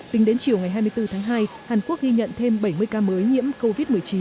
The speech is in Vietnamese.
tính đến chiều ngày hai mươi bốn tháng hai hàn quốc ghi nhận thêm bảy mươi ca mới nhiễm covid một mươi chín